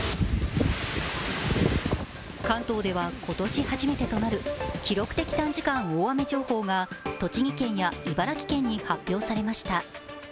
関東では今年初めてとなる記録的短時間大雨情報が栃木県や茨城県に発表されました。